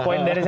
poin dari saya